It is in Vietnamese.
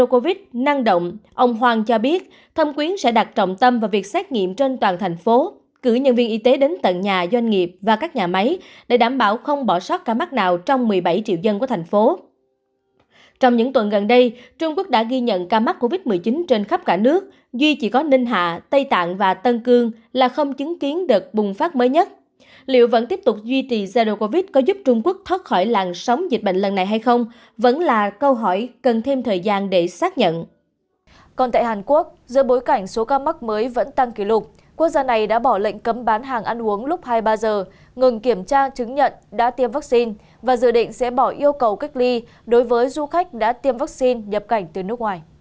còn tại hàn quốc giữa bối cảnh số ca mắc mới vẫn tăng kỷ lục quốc gia này đã bỏ lệnh cấm bán hàng ăn uống lúc hai mươi ba h ngừng kiểm tra chứng nhận đã tiêm vaccine và dự định sẽ bỏ yêu cầu cách ly đối với du khách đã tiêm vaccine nhập cảnh từ nước ngoài